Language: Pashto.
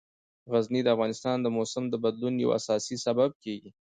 غزني د افغانستان د موسم د بدلون یو اساسي سبب کېږي.